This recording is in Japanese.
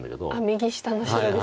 右下の白ですね。